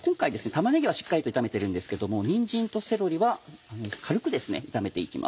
玉ねぎはしっかりと炒めてるんですけどにんじんとセロリは軽く炒めて行きます。